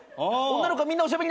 女の子はみんなおしゃべり。